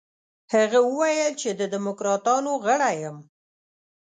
هغه وویل چې د دموکراتانو غړی یم.